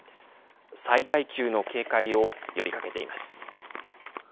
最大級の警戒を呼びかけています。